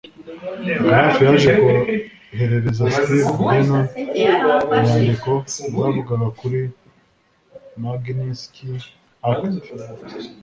Graff yaje koherereza Steve Bannon inyandiko zavugaga kuri ‘Magnitsky Act’